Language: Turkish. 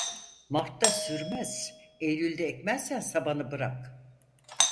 Martta sürmez, eylülde ekmezsen sabanı bırak.